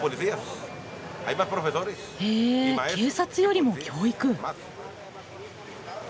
へえ警察よりも教育。